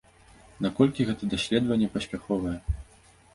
Наколькі гэта даследаванне паспяховае?